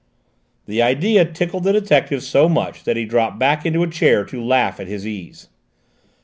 The idea tickled the detective so much that he dropped back into a chair to laugh at his ease.